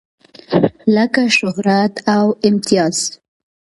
لکه شهرت او امتياز.